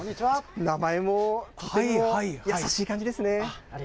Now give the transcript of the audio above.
名前もも優しい感じですね。